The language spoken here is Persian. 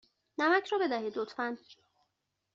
نمک را بدهید، لطفا.